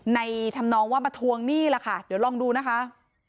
ทำนองว่ามาทวงหนี้ล่ะค่ะเดี๋ยวลองดูนะคะ